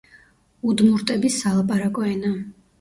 უდმურტების სალაპარაკო ენა.